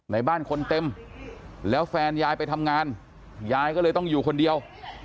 ในบ้านคนเต็มแล้วแฟนยายไปทำงานยายก็เลยต้องอยู่คนเดียว